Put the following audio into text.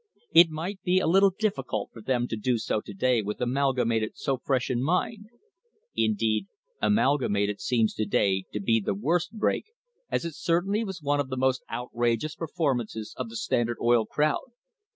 It might be a little difficult for them to do so to day with Amalgamated so fresh in mind. Indeed, Amalgamated seems to day to be the worst "break," as it certainly was one of the most outrageous performances of the Standard Oil crowd.